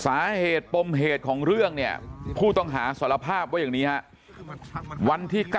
สาเหตุปมเหตุของเรื่องเนี่ยผู้ต้องหาสารภาพว่าอย่างนี้ฮะวันที่๙